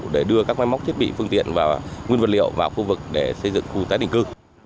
để đưa các máy móc thiết bị phương tiện và nguyên vật liệu vào khu vực để xây dựng khu tái định cư